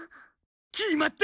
決まった！